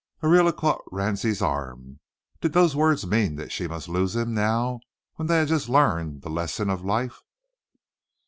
Ariela caught Ransie's arm. Did those words mean that she must lose him now when they had just learned the lesson of life?